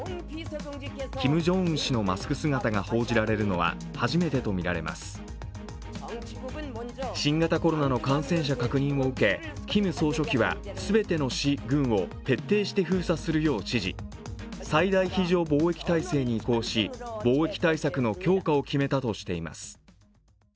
キム・ジョンウン氏のマスク姿が報じられるのは、初めてとみられます新型コロナの感染者確認を受け、キム総書記は全ての市・郡を徹底して封鎖するよう指示最大非常防疫体制に移行し、防疫対策の強化を決めたとしています。